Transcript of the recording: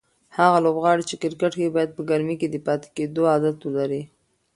هغه لوبغاړي چې کرکټ کوي باید په ګرمۍ کې د پاتې کېدو عادت ولري.